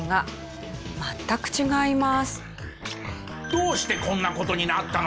どうしてこんな事になったのか。